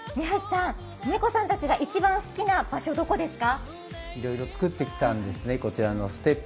猫さんたちが一番好きな場所、どこですか？